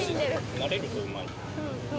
慣れるとうまい。